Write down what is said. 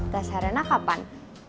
tes herena kapan